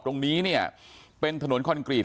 ตรงนี้เนี่ยเป็นถนนคอนกรีต